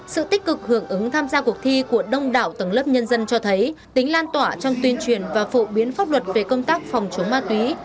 sự tích cực hưởng ứng tham gia cuộc thi của đông đảo tầng lớp nhân dân cho thấy tính lan tỏa trong tuyên truyền và phổ biến pháp luật về công tác phòng chống ma túy